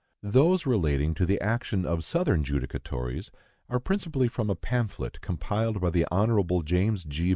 Those relating to the action of Southern judicatories are principally from a pamphlet compiled by the Hon. James G.